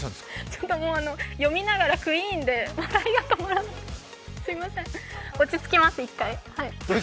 ちょっともう、読みながらＱＵＥＥＮで笑いが止まらないすみません、落ち着きます、１回。